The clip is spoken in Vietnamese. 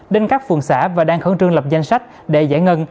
đến các phường xã và đang khẩn trương lập danh sách để giải ngân